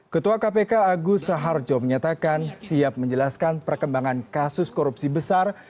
ketua kpk agus saharjo menyatakan siap menjelaskan perkembangan kasus korupsi besar